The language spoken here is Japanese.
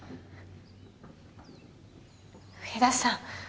上田さん